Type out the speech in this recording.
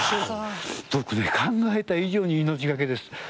考えた以上に命がけです。